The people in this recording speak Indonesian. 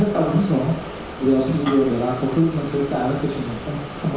dan juga di liga satu sering menang